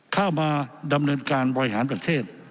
เข้ามาดำเนินการบริหารประเทศ